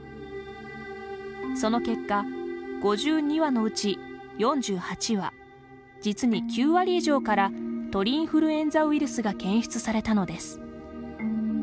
その結果、５２羽のうち４８羽実に９割以上から鳥インフルエンザウイルスが検出されたのです。